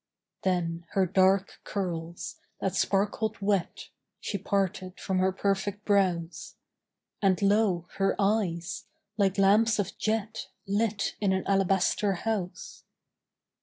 Then her dark curls, that sparkled wet, She parted from her perfect brows, And, lo, her eyes, like lamps of jet Lit in an alabaster house.